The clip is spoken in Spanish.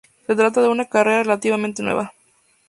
Se trata de una carrera relativamente nueva.